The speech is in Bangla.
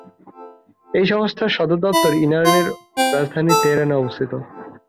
এই সংস্থার সদর দপ্তর ইরানের রাজধানী তেহরানে অবস্থিত।